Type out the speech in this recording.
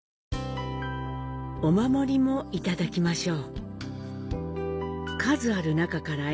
お守りもいただきましょう。